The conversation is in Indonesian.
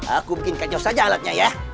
aku bikin kacau saja alatnya ya